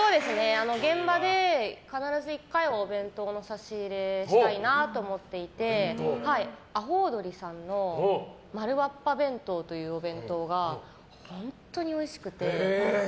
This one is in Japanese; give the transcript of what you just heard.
現場で必ず１回はお弁当の差し入れをしたいなと思っていてアホウドリさんの丸わっぱ弁当というお弁当が本当においしくて。